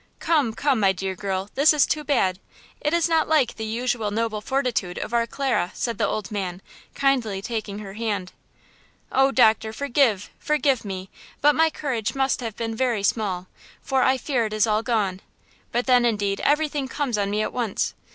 "Come, come, my dear girl, this is too bad! It is not like the usual noble fortitude of our Clara," said the old man, kindly taking her hand. "Oh, Doctor, forgive–forgive me! But my courage must have been very small, for I fear it is all gone. But then, indeed, everything comes on me at once.